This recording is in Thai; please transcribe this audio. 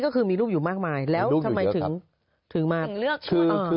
หนึ่งมีรูปอยู่มากมายแล้วทำไมถึงมาก